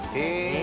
え！